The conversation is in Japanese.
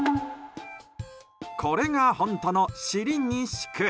これが本当の尻に敷く。